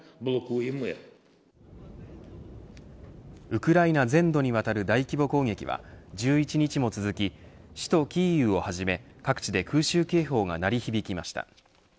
ウクライナ全土にわたる大規模攻撃は１１日も続き首都キーウをはじめ各地で空襲警報が鳴り響きました。